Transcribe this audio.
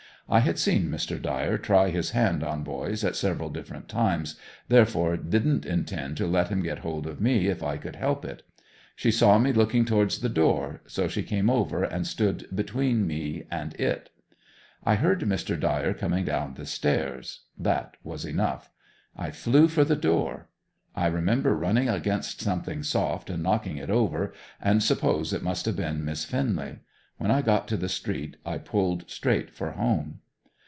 I had seen Mr. Dyer try his hand on boys, at several different times, therefore didn't intend to let him get hold of me if I could help it. She saw me looking towards the door, so she came over and stood between me and it. I heard Mr. Dyer coming down the stairs; that was enough; I flew for the door. I remember running against something soft and knocking it over and suppose it must have been Miss Finnely. When I got to the street I pulled straight for home.